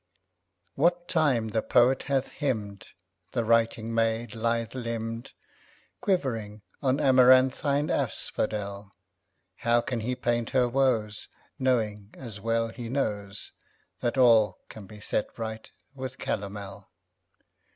What time the poet hath hymned The writhing maid, lithe limbed, Quivering on amaranthine asphodel, How can he paint her woes, Knowing, as well he knows, That all can be set right with calomel?